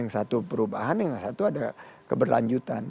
yang satu perubahan yang satu ada keberlanjutan